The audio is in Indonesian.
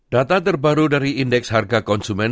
data terbaru dari indeks harga konsumen